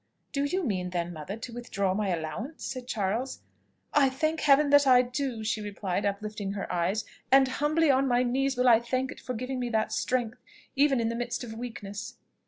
"Do you mean, then, mother, to withdraw my allowance?" said Charles. "I thank Heaven that I do!" she replied, uplifting her eyes: "and humbly on my knees will I thank it for giving me that strength, even in the midst of weakness!"